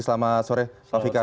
selamat sore pak fikar